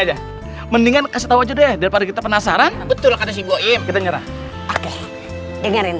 aja mendingan kasih tau aja deh daripada kita penasaran betul ada si boim kita nyerah oke dengerin